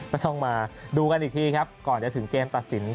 ต้องมาดูกันอีกทีครับก่อนจะถึงเกมตัดสิน